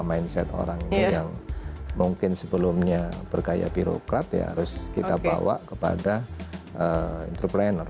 mindset orang ini yang mungkin sebelumnya berkaya pirokrat ya harus kita bawa kepada entrepreneur